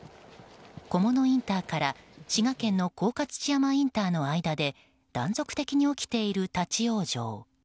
菰野インターから滋賀県の甲賀土山インターの間で断続的に起きている立ち往生。